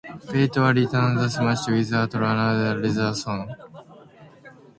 Pete has returned to Smallville without Lana to raise their son.